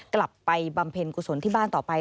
บำเพ็ญกุศลที่บ้านต่อไป